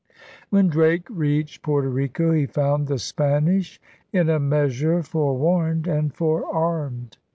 When Drake reached Porto Rico, he found the Spanish in a measure forewarned and forearmed.